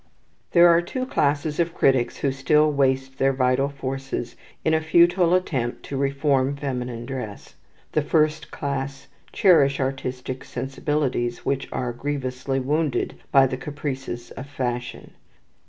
There are two classes of critics who still waste their vital forces in a futile attempt to reform feminine dress. The first class cherish artistic sensibilities which are grievously wounded by the caprices of fashion.